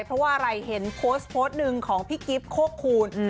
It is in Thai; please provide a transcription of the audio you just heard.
เพราะว่าอะไรเห็นโพสต์หนึ่งของพี่กิ๊บโคตรคูณ